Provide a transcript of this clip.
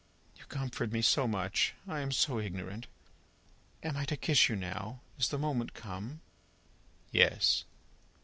"You comfort me so much! I am so ignorant. Am I to kiss you now? Is the moment come?" "Yes."